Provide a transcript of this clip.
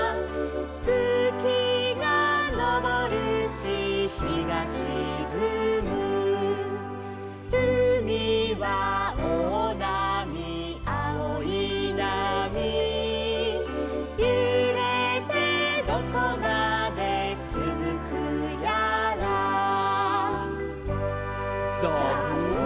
「月がのぼるし日がしずむ」「うみは大なみあおいなみ」「ゆれてどこまでつづくやら」ザブン！